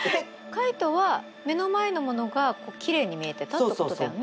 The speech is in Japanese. カイトは目の前のものがきれいに見えてたってことだよね。